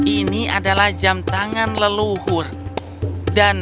ini adalah jam tangan leluhur dan